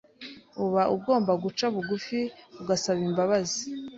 uba ugomba guca bugufi, ugasaba imbabazi